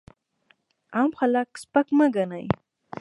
عام خلک سپک مه ګڼئ!